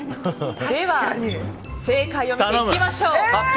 正解を見ていきましょう。